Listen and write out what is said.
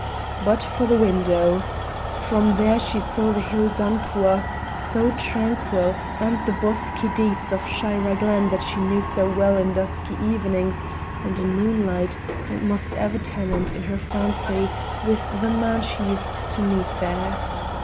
But for the window! From there she saw the hill Dunchuach, so tranquil, and the bosky deeps of Shira Glen that she knew so well in dusky evenings and in moonlight, and must ever tenant, in her fancy, with the man she used to meet there.